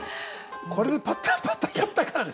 これでパッタンパッタンやったからですよ。